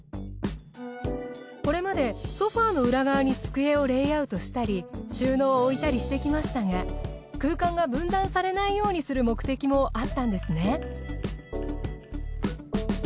これまでソファの裏側に机をレイアウトしたり収納を置いたりしてきましたが空間が分断されないようにする目的もあったんですね。